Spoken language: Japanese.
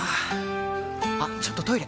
あっちょっとトイレ！